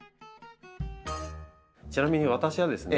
ちなみに私はですね